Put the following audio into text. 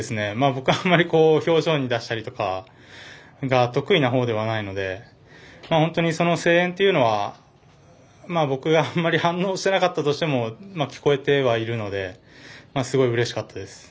僕はあんまり表情に出したりとかが得意なほうではないので本当にその声援というのは僕があんまり反応しなかったとしても聞こえてはいるのですごい、うれしかったです。